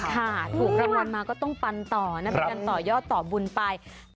ถูกรางวัลมาก็ต้องปันต่อนะเป็นการต่อยอดต่อบุญไป